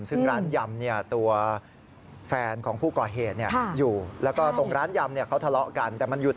ซึ่งร้านยำเนี่ยตัวแฟนของผู้ก่อเหตุเนี่ยอยู่